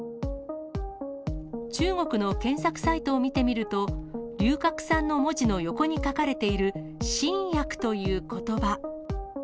中国の検索サイトを見てみると、龍角散の文字の横に書かれている神薬ということば。